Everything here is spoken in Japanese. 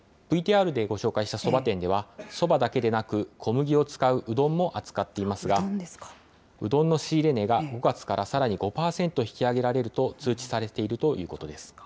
ＶＴＲでご紹介したそば店では、そばだけでなく、小麦を使ううどんも扱っていますが、うどんの仕入れ値が５月からさらに５％引き上げられると通知されているということです。